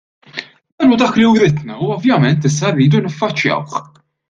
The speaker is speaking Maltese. Dan hu dak li writna u ovvjament issa rridu niffaċċjawh.